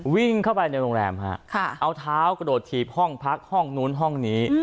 วิ่งเข้าไปในโรงแรมฮะเอาเท้ากระโดดถีบห้องพักห้องนู้นห้องนี้